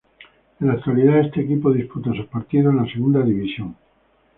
En la actualidad este equipo disputa sus partidos en la Segunda División.